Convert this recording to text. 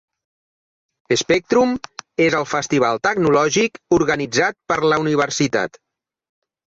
Spectrum és el festival tecnològic organitzat per la universitat.